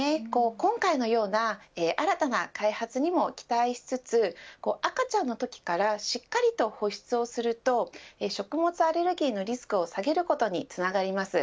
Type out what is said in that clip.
今回のような新たな開発にも期待しつつ赤ちゃんのときからしっかりと保湿をすると食物アレルギーのリスクを下げることにつながります。